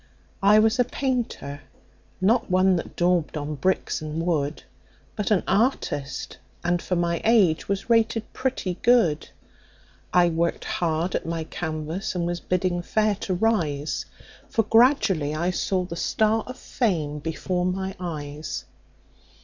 "I was a painter not one that daubed on bricks and wood, But an artist, and for my age, was rated pretty good. I worked hard at my canvas, and was bidding fair to rise, For gradually I saw the star of fame before my eyes.